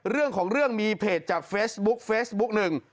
เรื่องของเรื่องมีเพจจากเฟซบุ๊กเฟซบุ๊กหนึ่ง